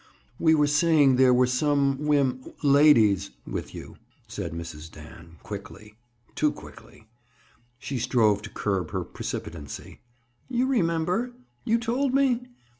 "We were saying there were some wom—ladies with you," said Mrs. Dan quickly. Too quickly! She strove to curb her precipitancy. "You remember? You told me?"